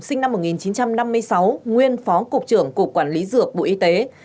sinh năm một nghìn chín trăm năm mươi sáu nguyên phó cục trưởng cục quản lý dược bộ y tế